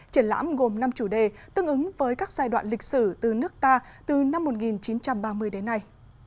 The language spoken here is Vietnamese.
triển lãm gồm năm chủ đề tương ứng với các giai đoạn lịch sử từ nước ta từ năm một nghìn chín trăm ba mươi đến nay